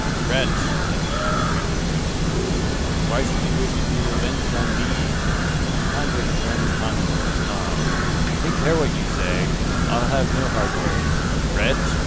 "Wretch!" said he, shrinking from him, "why should you wish to be revenged on me?" The convict turned upon him with a snarl. "Take care what you say! I'll have no hard words. Wretch!